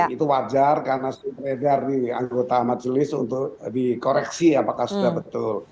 itu wajar karena sudah beredar nih anggota majelis untuk dikoreksi apakah sudah betul